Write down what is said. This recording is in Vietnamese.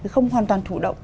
không hoàn toàn thủ động